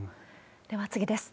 では次です。